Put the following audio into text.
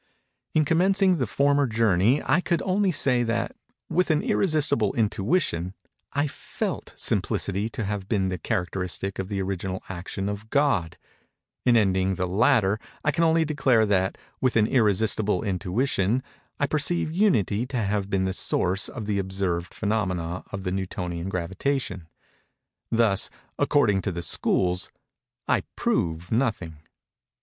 In commencing the former journey I could only say that, with an irresistible intuition, I felt Simplicity to have been the characteristic of the original action of God:—in ending the latter I can only declare that, with an irresistible intuition, I perceive Unity to have been the source of the observed phænomena of the Newtonian gravitation. Thus, according to the schools, I prove nothing.